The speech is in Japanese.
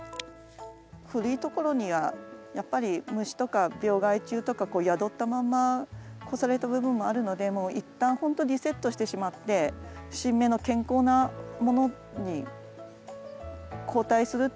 古いところにはやっぱり虫とか病害虫とか宿ったまんま越された部分もあるのでもう一旦ほんとリセットしてしまって新芽の健康なものに交代するっていうのもあります。